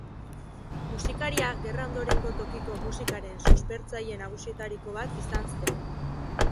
Musikaria gerra ondorengo tokiko musikaren suspertzaile nagusietariko bat izan zen.